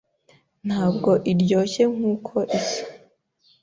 Ntabwo iryoshye nkuko isa.